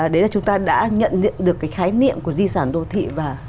đấy là chúng ta đã nhận diện được cái khái niệm của di sản đô thị và